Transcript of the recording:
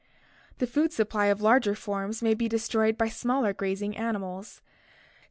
The food supply of larger forms may be destroyed by smaller grazing mammals. St.